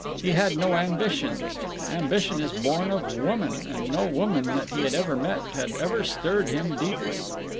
He had no ambitions. Ambition is born of woman, and no woman that he had ever met had ever stirred him deeply.